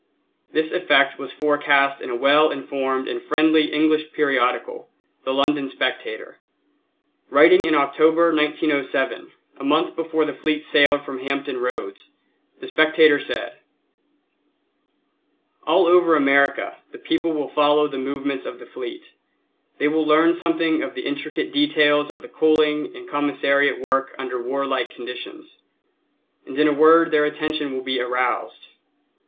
This effect was forecast in a well informed and friendly English periodical, the London Spectator. Writing in October, 1907, a month before the fleet sailed from Hampton Roads, the Spectator said: "All over America the people will follow the movements of the fleet; they will learn something of the intricate details of the coaling and commissariat work under warlike conditions; and in a word their attention will be aroused.